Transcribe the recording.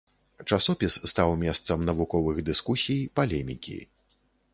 Часопіс стаў месцам навуковых дыскусій, палемікі.